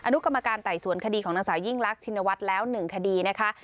นุกรรมการไต่สวนคดีของนางสาวยิ่งรักชินวัฒน์แล้ว๑คดีนะคะ